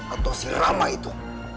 atau si rama itu